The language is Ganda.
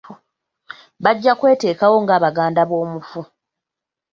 Bajja kweteekawo nga baganda b'omufu.